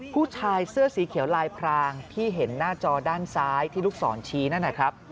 ผู้ชายเสื้อสีเขียวลายพรางที่เห็นหน้าจอด้านซ้ายที่ลูกศรชี้นั่นนะครับ